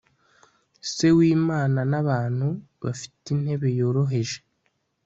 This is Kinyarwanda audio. se wimana nabantu bafite intebe yoroheje